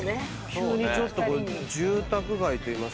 急にこれ住宅街といいますか。